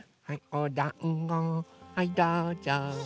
おだんごはいどうぞ。